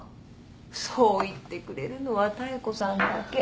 そう言ってくれるのは妙子さんだけ。